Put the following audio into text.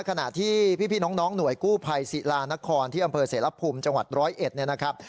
ขณะที่พี่น้องหน่วยกู้ภัยศิลานครที่อำเภอเสรภูมิจังหวัด๑๐๑เนี่ยนะครับ